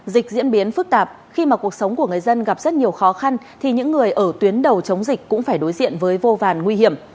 dịch diễn biến phức tạp khi mà cuộc sống của người dân gặp rất nhiều khó khăn thì những người ở tuyến đầu chống dịch cũng phải đối diện với vô vàn nguy hiểm